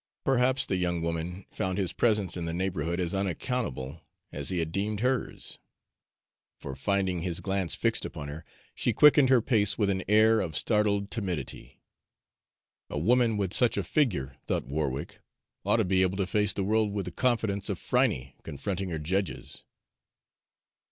Perhaps the young woman found his presence in the neighborhood as unaccountable as he had deemed hers; for, finding his glance fixed upon her, she quickened her pace with an air of startled timidity. "A woman with such a figure," thought Warwick, "ought to be able to face the world with the confidence of Phryne confronting her judges."